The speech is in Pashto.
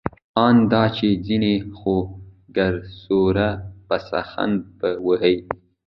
آن دا چي ځيني خو ګرسره پسخند په وهي.